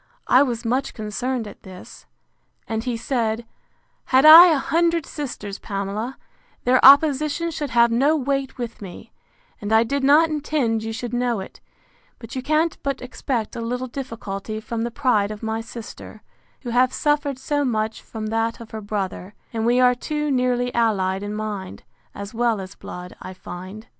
I was much concerned at this: And he said, Had I a hundred sisters, Pamela, their opposition should have no weight with me: and I did not intend you should know it; but you can't but expect a little difficulty from the pride of my sister, who have suffered so much from that of her brother; and we are too nearly allied in mind, as well as blood, I find.